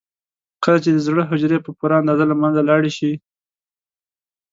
کله چې د زړه حجرې په پوره اندازه له منځه لاړې شي.